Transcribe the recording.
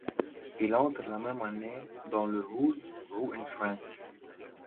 Il entre la même année dans le Who's Who in France.